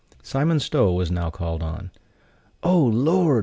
Simon Stow was now called on. "Oh, Lord!"